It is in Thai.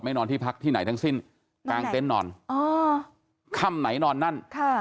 นอนที่พักที่ไหนทั้งสิ้นกลางเต็นต์นอนอ๋อค่ำไหนนอนนั่นค่ะ